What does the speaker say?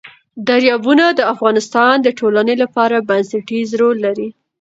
دریابونه د افغانستان د ټولنې لپاره بنسټيز رول لري.